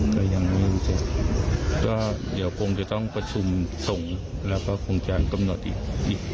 ก็ยังไม่รู้สึกก็เดี๋ยวคงจะต้องประชุมส่งแล้วก็คงจะกำหนดอีก